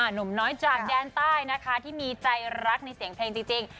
หนุ่มน้อยจากแดนใต้นะคะที่มีใจรักในเสียงเพลงจริง